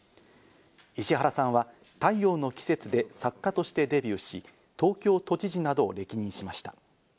石原さんは『太陽の季節』で作家としてデビューし、東京都知事などを歴任しました。